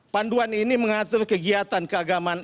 panduan ini mengatur kegiatan keagamaan